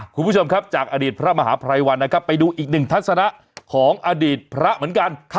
คุณผู้ชมครับจากอดีตพระมหาภัยวันนะครับไปดูอีกหนึ่งทัศนะของอดีตพระเหมือนกัน